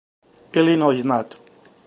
Illinois Nat.